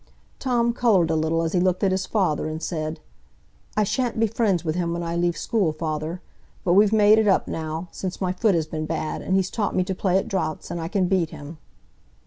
Tom coloured a little as he looked at his father, and said: "I sha'n't be friends with him when I leave school, father; but we've made it up now, since my foot has been bad, and he's taught me to play at draughts, and I can beat him."